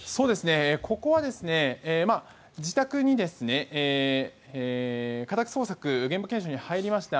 ここは自宅に家宅捜索現場検証に入りました。